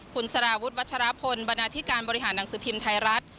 คุณสารวุฒิวัชรพลบรรณาธิการบริหารหนังสือพิมพ์ไทยรัฐ